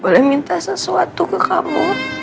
boleh minta sesuatu ke kamu